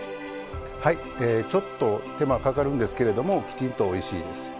はいちょっと手間かかるんですけれどもきちんとおいしいです。